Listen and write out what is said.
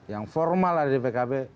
yang formal ada di pkb